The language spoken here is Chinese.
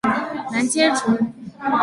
南接竹风绿光海风自行车道。